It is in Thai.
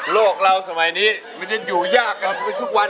โลกเราสมัยนี้มันยังอยู่ยากกันไปทุกวัน